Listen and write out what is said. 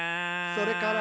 「それから」